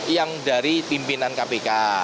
yang dari pimpinan kpk